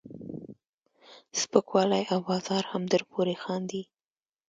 سپکوالی او بازار هم درپورې خاندي.